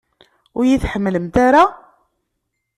Ur iyi-tḥemmlemt ara?